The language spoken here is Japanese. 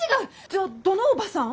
じゃあどのおばさん？